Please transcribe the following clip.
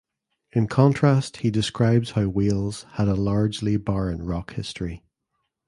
In contrast he describes how Wales had "a largely barren rock history".